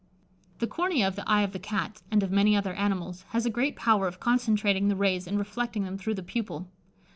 The cornea of the eye of the Cat, and of many other animals, has a great power of concentrating the rays and reflecting them through the pupil.